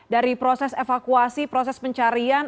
dari proses evakuasi proses pencarian